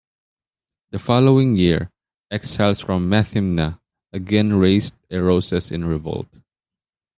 The following year, exiles from Methymna again raised Eresos in revolt.